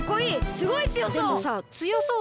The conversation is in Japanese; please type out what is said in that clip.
すごいつよそう！